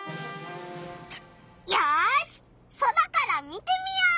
よし空から見てみよう！